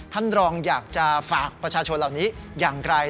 ท่านรองอยากจะฝากประชาชนเหล่านี้อย่างไร